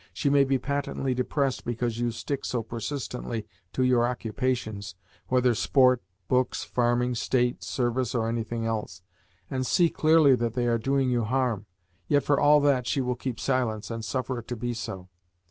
She may be patently depressed because you stick so persistently to your occupations (whether sport, books, farming, state service, or anything else) and see clearly that they are doing you harm; yet, for all that, she will keep silence, and suffer it to be so.